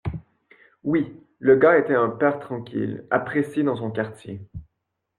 Oui. Le gars était un père tranquille, apprécié dans son quartier